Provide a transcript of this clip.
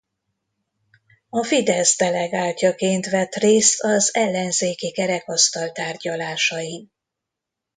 A Fidesz delegáltjaként vett részt az Ellenzéki Kerekasztal tárgyalásain.